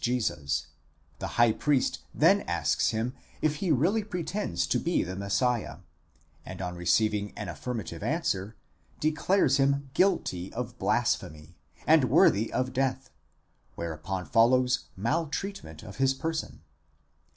Jesus ; the high priest then asks him if he really pretends to be the Messiah, and on receiving an affirmative answer, declares him guilty of blasphemy, and worthy of death, whereupon follows maltreatment of his person.